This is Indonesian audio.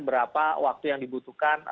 berapa waktu yang dibutuhkan